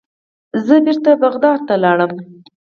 زه بیرته بغداد ته لاړم.